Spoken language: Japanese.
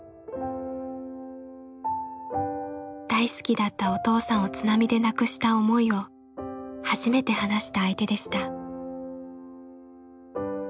大好きだったお父さんを津波で亡くした思いを初めて話した相手でした。